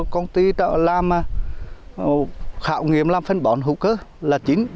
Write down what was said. công ty trợ làm khảo nghiệm làm phân bón hữu cơ là chính